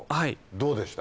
どうでした？